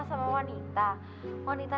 bisa berbicara sama sama